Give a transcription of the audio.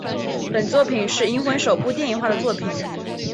本作品是银魂首部电影化的作品。